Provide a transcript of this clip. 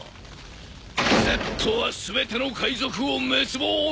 Ｚは全ての海賊を滅亡させる。